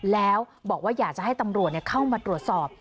แล้วบอกว่าอยากจะให้ตำรวจเข้ามาตรวจสอบ